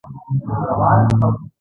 د سترې محکمې غړي قاضي په توګه وټاکل شو.